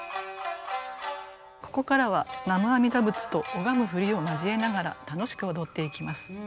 ここからは「南無阿弥陀仏」と拝む振りを交えながら楽しく踊っていきます。